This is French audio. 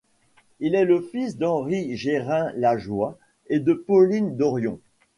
Il est le fils d'Henri Gérin-Lajoie et de Pauline Dorion.